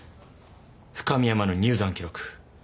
深美山の入山記録。